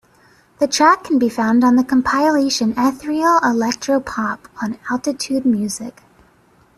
The track can be found on the compilation Ethereal Electro Pop on Altitude Music.